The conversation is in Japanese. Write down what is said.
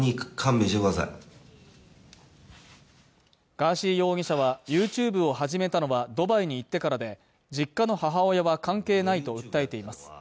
ガーシー容疑者は、ＹｏｕＴｕｂｅを始めたのはドバイに行ってからで実家の母親は関係ないと訴えています。